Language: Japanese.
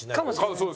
そうです。